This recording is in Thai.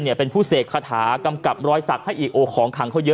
เป็นผู้เสกคาถากำกับรอยสักให้อีกโอ้ของขังเขาเยอะ